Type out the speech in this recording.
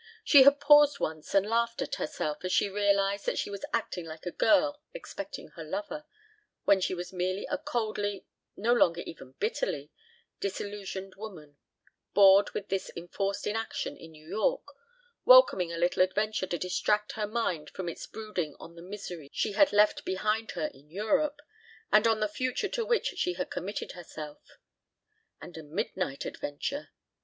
She had paused once and laughed at herself as she realized that she was acting like a girl expecting her lover, when she was merely a coldly no longer even bitterly disillusioned woman, bored with this enforced inaction in New York, welcoming a little adventure to distract her mind from its brooding on the misery she had left behind her in Europe, and on the future to which she had committed herself. And a midnight adventure!